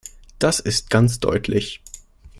Das ist ganz deutlich.